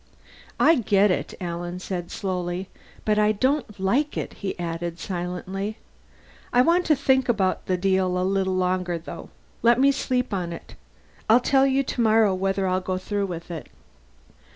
"I get it," Alan said slowly. But I don't like it, he added silently. "I want to think about the deal a little longer, though. Let me sleep on it. I'll tell you tomorrow whether I'll go through with it."